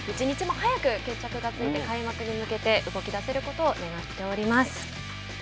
１日も早く決着がついて開幕に向けて動き出せることを願っております。